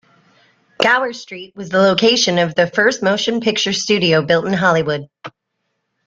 Gower Street was the location of the first motion picture studio built in Hollywood.